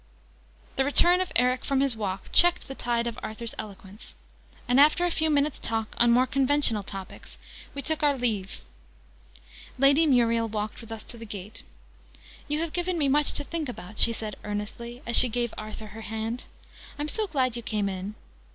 The return of Eric from his walk checked the tide of Arthur's eloquence, and, after a few minutes' talk on more conventional topics, we took our leave. Lady Muriel walked with us to the gate. "You have given me much to think about," she said earnestly, as she gave Arthur her hand. "I'm so glad you came in!"